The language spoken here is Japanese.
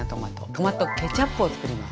トマトケチャップをつくります。